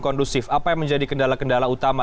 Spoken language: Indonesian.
kondusif apa yang menjadi kendala kendala utama